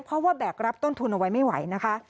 เพราะว่าแบกรับต้นทุนเอาไว้ไม่ไหวนะคะ